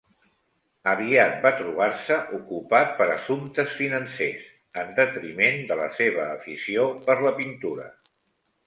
Aviat va trobar-se ocupat per assumptes financers, en detriment de la seva afició per la pintura.